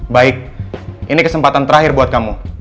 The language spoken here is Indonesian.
baik ini kesempatan terakhir buat kamu